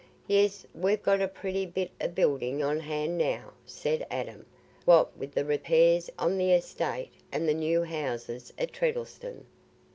"Yes, we've got a pretty bit o' building on hand now," said Adam, "what with the repairs on th' estate, and the new houses at Treddles'on."